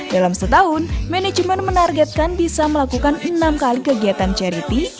dalam setahun manajemen menargetkan bisa melakukan enam kali kegiatan charity